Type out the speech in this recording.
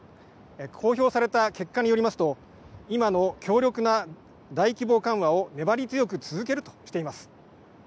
公表された結果によりますと今の強力な大規模緩和を粘り強く続けるとしています。